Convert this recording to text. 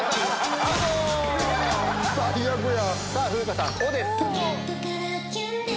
最悪や。